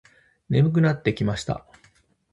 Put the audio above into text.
眠くなってきました。